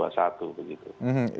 ini kita juga memiliki data